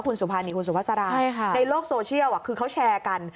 คุณสุภานีคุณสุภาษาราชใช่ค่ะในโลกโซเชียลอ่ะคือเขาแชร์กัน